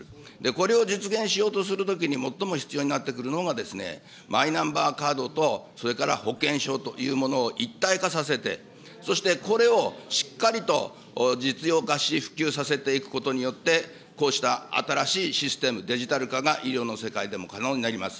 これを実現しようとするときに最も必要になってくるのがですね、マイナンバーカードとそれから保険証というものを一体化させて、そして、これをしっかりと実用化し、普及させていくことによって、こうした新しいシステム、デジタル化が医療の世界でも可能になります。